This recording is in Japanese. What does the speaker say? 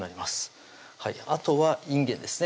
あとはいんげんですね